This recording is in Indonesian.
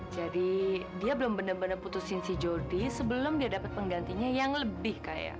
jadi dia belum bener bener putusin si jody sebelum dia dapat penggantinya yang lebih kaya